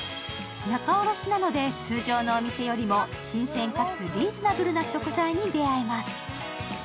仲卸なので通常のお店よりも新鮮かつリーズナブルな食材に出会えます。